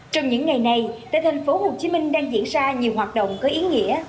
trong những ngày này tại thành phố hồ chí minh đang diễn ra nhiều hoạt động có ý nghĩa